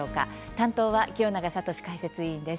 担当は清永聡解説委員です。